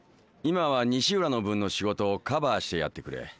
今は西浦の分の仕事をカバーしてやってくれ。